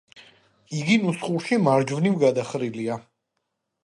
იგი ნუსხურში მარჯვნივ გადახრილია.